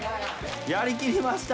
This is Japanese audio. やりきりました。